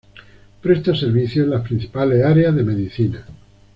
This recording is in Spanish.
Presta servicios en las principales áreas de medicina.